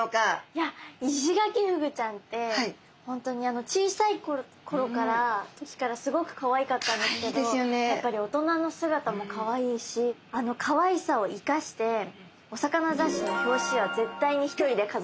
いやイシガキフグちゃんって本当に小さいころからスゴくかわいかったですけどやっぱり大人の姿もかわいいしあのかわいさを生かしてお魚雑誌の表紙は絶対に一人でかざれると思います。